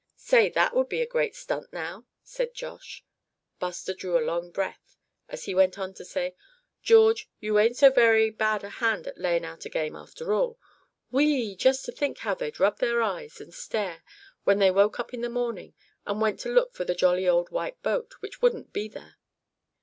"Say that would be a great stunt, now," said Josh. Buster drew a long breath as he went on to say: "George, you ain't so very bad a hand at laying out a game after all. Whee! just think how they'd rub their eyes, and stare, when they woke up in the morning, and went to look for the jolly old white boat, which wouldn't be there."